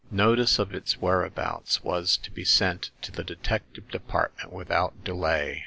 Notice of its whereabouts was to be sent to the Detective Department without delay.